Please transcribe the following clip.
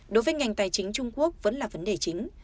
đối với ngành tài chính trung quốc vẫn là vấn đề chính